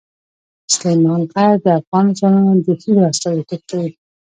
سلیمان غر د افغان ځوانانو د هیلو استازیتوب کوي.